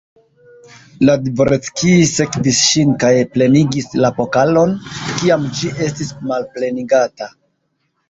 La dvoreckij sekvis ŝin kaj plenigis la pokalon, kiam ĝi estis malplenigata.